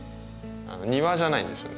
庭じゃないんですよね。